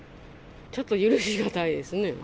ちょっと許し難いですね。